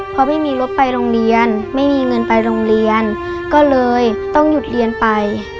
พอไม่มีรถไปโรงเรียนไม่มีเงินไปโรงเรียนก็เลยต้องหยุดเรียนไป